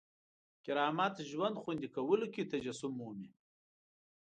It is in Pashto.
کرامت ژوند خوندي کولو کې تجسم مومي.